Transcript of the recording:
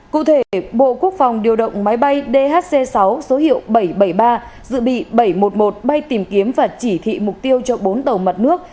cụ thể bộ quốc phòng điều động máy bay dhc sáu số hiệu bảy trăm bảy mươi ba dự bị bảy trăm một mươi một bay tìm kiếm và chỉ thị mục tiêu cho bốn tàu mặt nước